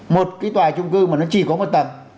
một cái tòa trung cư mà nó chỉ có một tầng